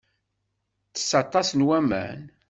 Tess aṭas n waman.